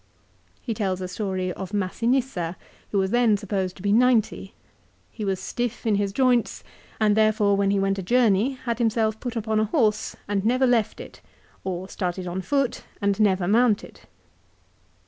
1 He tells a story of Massinissa, who was then supposed to be ninety. He was stiff in his joints, and therefore when he went a journey had himself put upon a horse, and never left it, or started on foot and never mounted."